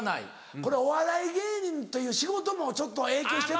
これお笑い芸人という仕事もちょっと影響してる。